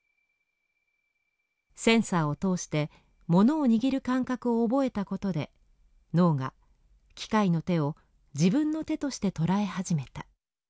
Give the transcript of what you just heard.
センサーを通して物を握る感覚を覚えたことで脳が機械の手を自分の手としてとらえ始めた。